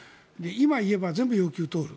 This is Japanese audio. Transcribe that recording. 今言えば全部要求が通る。